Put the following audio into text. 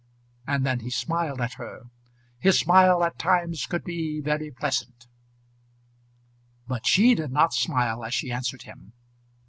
And then he smiled at her. His smile at times could be very pleasant! But she did not smile as she answered him.